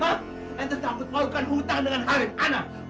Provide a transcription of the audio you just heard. saya takut melakukan hutang dengan harimu